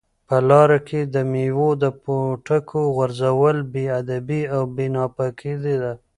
په لاره کې د مېوې د پوټکو غورځول بې ادبي او ناپاکي ده.